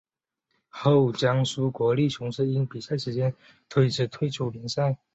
后江苏国立雄狮因比赛时间推迟退出联赛。